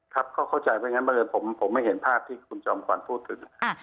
ครับเขาเข้าใจไปอย่างนั้นไม่เลยผมไม่เห็นภาพที่คุณจอมควัลพูดถึง